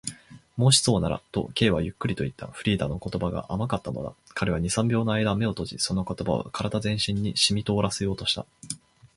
「もしそうなら」と、Ｋ はゆっくりといった。フリーダの言葉が甘かったのだ。彼は二、三秒のあいだ眼を閉じ、その言葉を身体全体にしみとおらせようとした。